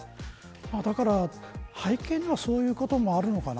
だから背景にはそういうこともあるのかな。